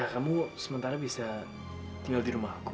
ya kamu sementara bisa tinggal di rumah aku